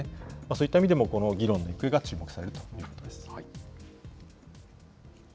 そういった意味でもこの議論の行方が注目されるというわけです。